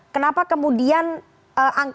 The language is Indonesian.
kenapa kemudian ee angkanya sedikit lebih tinggi